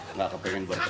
enggak kepengen berprestasi